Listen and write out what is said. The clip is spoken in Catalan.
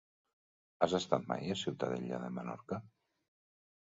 Has estat mai a Ciutadella de Menorca?